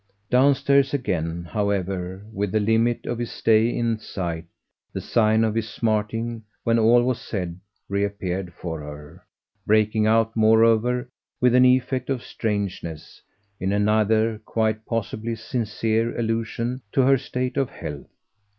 Downstairs again, however, with the limit of his stay in sight, the sign of his smarting, when all was said, reappeared for her breaking out moreover, with an effect of strangeness, in another quite possibly sincere allusion to her state of health.